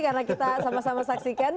karena kita sama sama saksikan